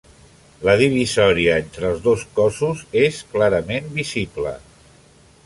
La divisòria entre els dos cossos és clarament visible.